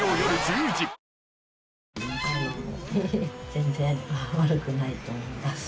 全然悪くないと思います。